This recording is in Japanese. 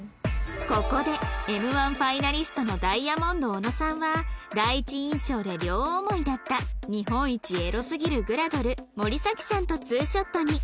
ここで Ｍ−１ ファイナリストのダイヤモンド小野さんは第一印象で両思いだった日本一エロすぎるグラドル森咲さんと２ショットに